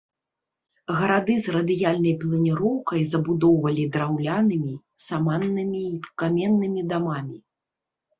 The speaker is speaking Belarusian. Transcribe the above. Гарады з радыяльнай планіроўкай забудоўвалі драўлянымі, саманнымі і каменнымі дамамі.